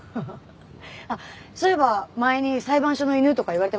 あっそういえば前に「裁判所の犬」とか言われて。